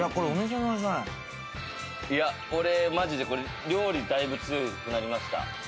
俺マジで料理だいぶ強くなりました。